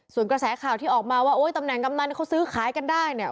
ส่วนกระแสข่าวที่ออกมาว่าโอ้ยตำแหน่งกำนันเขาซื้อขายกันได้เนี่ย